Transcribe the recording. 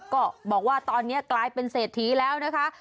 ก็บอกว่าตอนนี้กลายเป็นเศรษฐีแล้วนะคะ